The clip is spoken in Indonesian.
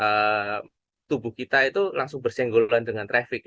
jadi tubuh kita itu langsung bersenggoluhan dengan trafik